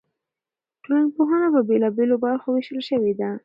ټولنپوهنه په بېلابېلو برخو ویشل شوې ده.